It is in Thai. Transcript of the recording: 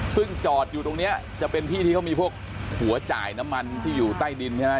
ซึ่งจอดอยู่ตรงนี้จะเป็นที่ที่เขามีพวกหัวจ่ายน้ำมันที่อยู่ใต้ดินใช่ไหม